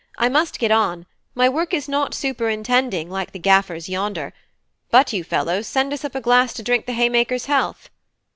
I must get on: my work is not superintending, like the gaffer's yonder; but, you fellows, send us up a glass to drink the haymakers' health."